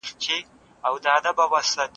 کتاب پر مېز کېږده.